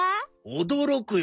驚くよ！